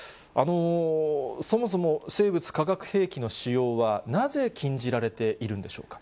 そもそも生物・化学兵器の使用は、なぜ禁じられているんでしょうか。